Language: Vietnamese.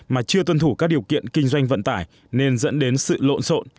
mà chưa tuân thủ các điều kiện kinh doanh vận tải nên dẫn đến sự lộn xộn